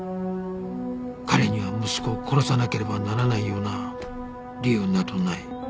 彼には息子を殺さなければならないような理由などない